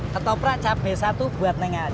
ketoprak cabai satu buat nengah